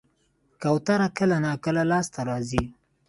کوتره کله ناکله لاس ته راځي.